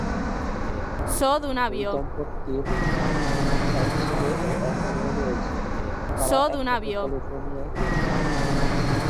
এই দম্পতির এক ছেলে ও এক মেয়ে রয়েছে, তারা একসাথে ক্যালিফোর্নিয়ায় থাকে।